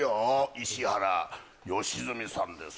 石原良純さんです